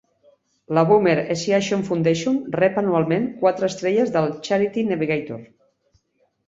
La Boomer Esiason Foundation rep anualment quatre estrelles del Charity Navigator.